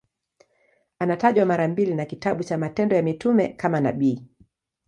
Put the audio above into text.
Anatajwa mara mbili na kitabu cha Matendo ya Mitume kama nabii.